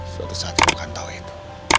suatu saat ibu akan tahu itu